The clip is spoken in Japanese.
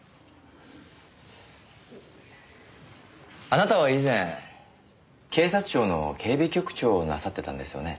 あなたは以前警察庁の警備局長をなさってたんですよね？